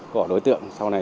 của đối tượng sau này